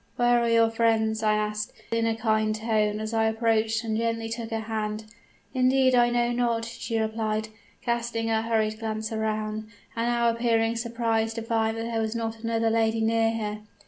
"'Where are your friends?' I asked, in a kind tone, as I approached and gently took her hand. "'Indeed I know not,' she replied, casting a hurried glance around, and now appearing surprised to find that there was not another lady near her.